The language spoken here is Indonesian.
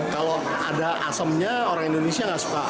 kalau ada asemnya orang indonesia nggak suka